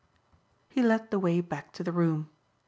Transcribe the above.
He led the way back to the room.